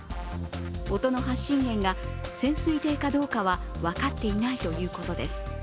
音の発信源が潜水艇かどうかは分かっていないということです。